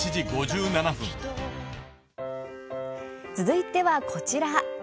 続いてはこちら。